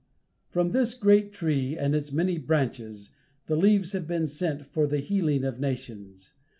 From this great tree and its many branches, the leaves have been sent for the healing of nations.